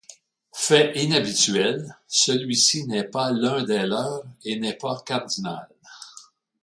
Fait inhabituel, celui-ci n'est pas l'un des leurs, et n'est pas cardinal.